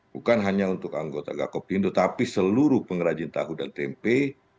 bukan hanya untuk anggota gakoptindo tapi seluruh pengrajin tahu dan tempe